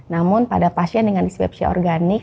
namun pada pasien dengan dispepsia organik